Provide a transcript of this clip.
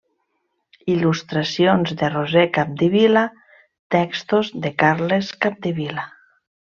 Il·lustracions de Roser Capdevila, textos de Carles Capdevila.